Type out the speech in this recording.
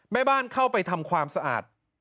แม่บ้านเข้าไปทำความสะอาด